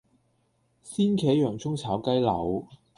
鮮茄洋蔥炒雞柳